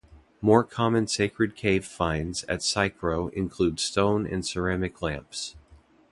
More common sacred cave finds at Psychro include stone and ceramic lamps.